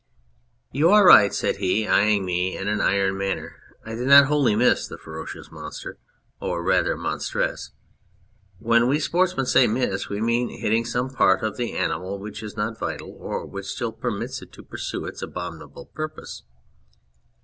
"You are right," said he, eyeing me in an iron manner, "I did not wholly miss the ferocious monster or rather, monstress. When we sportsmen say ' miss ' we mean hitting some part of the animal which is not vital or which still permits it to pursue its abominable purpose.